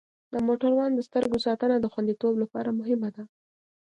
د موټروان د سترګو ساتنه د خوندیتوب لپاره مهمه ده.